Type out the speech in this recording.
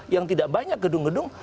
yang tidak banyak gedung gedung